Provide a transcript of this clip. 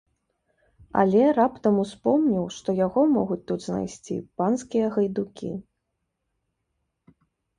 Але раптам успомніў, што яго могуць тут знайсці панскія гайдукі.